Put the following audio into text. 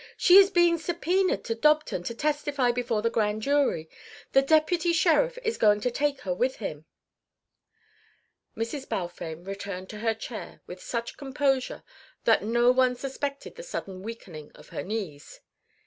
She is being subpoenaed to Dobton to testify before the Grand Jury. The deputy sheriff is going to take her with him." Mrs. Balfame returned to her chair with such composure that no one suspected the sudden weakening of her knees.